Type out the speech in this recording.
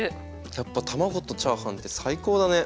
やっぱ卵とチャーハンって最高だね。